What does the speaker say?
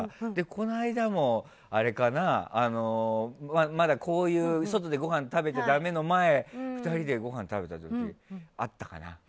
この間もまだこういう外でごはん食べちゃだめの前２人でごはん食べた時もあったかな。